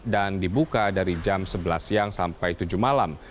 dan dibuka dari jam sebelas siang sampai tujuh malam